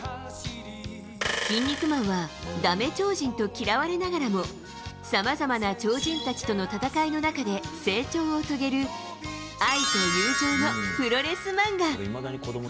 キン肉マンはダメ超人と嫌われながらもさまざまな超人たちとの戦いの中で成長を遂げる愛と友情のプロレス漫画。